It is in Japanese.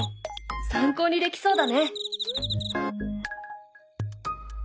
参考にできそうだね。